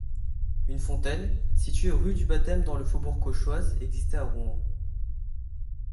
Une fontaine, située rue du Baptême dans le faubourg Cauchoise, existait à Rouen.